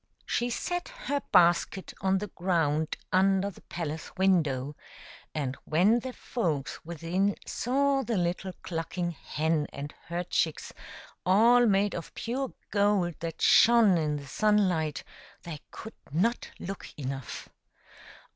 She set her basket on the ground under the palace window, and when the folks within saw the little clucking hen and her chicks, all made of pure gold that shone in the sunlight, they could not look enough.